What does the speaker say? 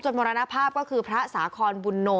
มรณภาพก็คือพระสาคอนบุญโน